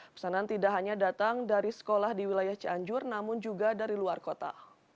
pesanan tidak hanya datang dari sekolah di wilayah cianjur namun juga dari luar kota